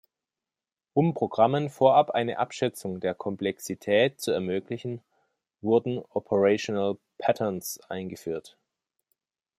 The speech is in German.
Um Programmen vorab eine Abschätzung der Komplexität zu ermöglichen, wurden Operational Patterns eingeführt.